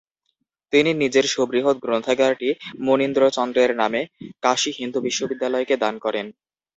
তিনি নিজের সুবৃহৎ গ্রন্থাগারটি মণীন্দ্রচন্দ্রের নামে কাশী হিন্দু বিশ্ববিদ্যালয়কে দান করেন।